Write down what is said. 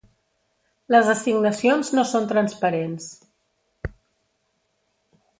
Les assignacions no són transparents.